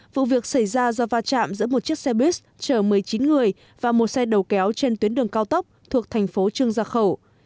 vụ việc xảy ra do va chạm giữa một chiếc xe buýt chở một mươi chín người và một xe đầu kéo trên tuyến đường cao tốc thuộc thành phố trương gia khẩu